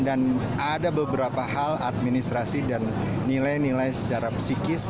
dan ada beberapa hal administrasi dan nilai nilai secara psikis